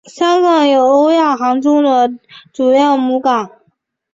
香港有欧亚航空的主要母港。